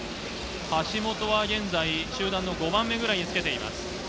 橋本は現在、終盤の５番目ぐらいにつけています。